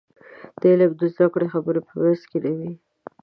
د علم د زده کړې خبرې په منځ کې نه وي.